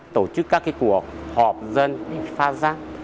tổ chức các cuộc họp dân và phát giác